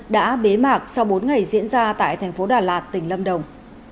đã bế mạc sau bốn ngày diễn ra tại thành phố đà lạt tỉnh lâm đồng